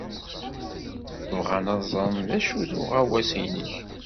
Bɣan ad ẓren d acu-t uɣawas-nnek.